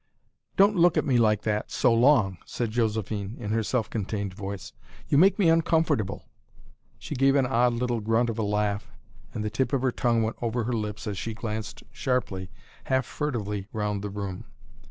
"Don't look at me like that so long " said Josephine, in her self contained voice. "You make me uncomfortable." She gave an odd little grunt of a laugh, and the tip of her tongue went over her lips as she glanced sharply, half furtively round the room.